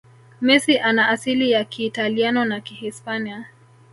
Messi ana asili ya kiitaliano na kihispania